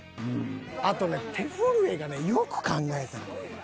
あとね手震えがねよく考えたらね。